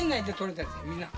みんな。